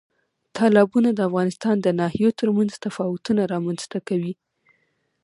تالابونه د افغانستان د ناحیو ترمنځ تفاوتونه رامنځ ته کوي.